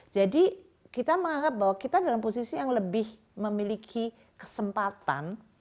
jadi kita menganggap bahwa kita dalam posisi yang lebih memiliki kesempatan